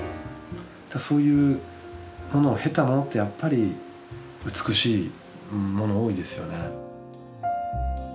そういうものを経たものってやっぱり美しいもの多いですよね。